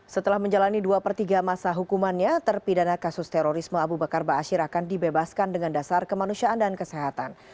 setelah menjalani dua per tiga masa hukumannya terpidana kasus terorisme abu bakar ⁇ baasyir ⁇ akan dibebaskan dengan dasar kemanusiaan dan kesehatan